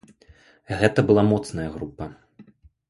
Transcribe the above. Гэта была моцная група.